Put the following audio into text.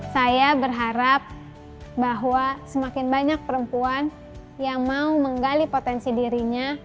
saya berharap bahwa semakin banyak perempuan yang mau menggali potensi dirinya